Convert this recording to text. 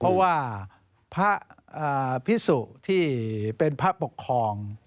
เพราะว่าพระพิสุที่เป็นพระปกครอง